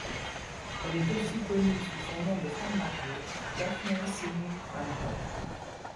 Elle est aussi connue sous son nom de femme mariée, Daphne Seeney-Fancutt.